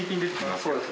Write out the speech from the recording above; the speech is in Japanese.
そうですね。